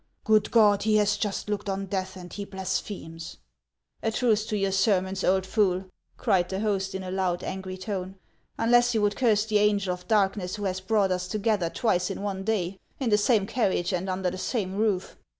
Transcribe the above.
"Good God, he has just looked on death, and he blasphemes !"" A truce to your sermons, old fool !" cried the host, in a loud, angry tone, " unless you would curse the angel of darkness who has brought us together twice in one day, in the same carriage and under the same roof.